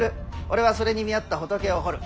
俺はそれに見合った仏を彫る。